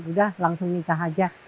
udah langsung nikah aja